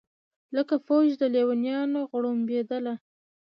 لکه فوج د لېونیانو غړومبېدله